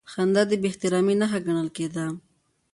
خندا د بېاحترامۍ نښه ګڼل کېده.